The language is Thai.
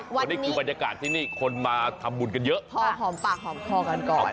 วันนี้คือบรรยากาศที่นี่คนมาทำบุญกันเยอะพอหอมปากหอมคอกันก่อน